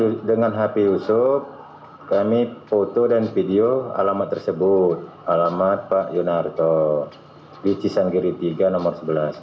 terima kasih dengan hp yusuf kami foto dan video alamat tersebut alamat pak yunarto di cisanggiri tiga nomor sebelas